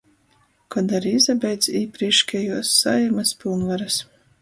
Kod ari izabeidz īprīkšejuos Saeimys pylnvarys.